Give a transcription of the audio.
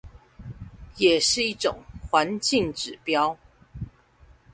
也是一種環境指標